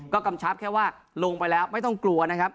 ก็กำชับแค่ว่าลงไปแล้วไม่ต้องกลัวนะครับ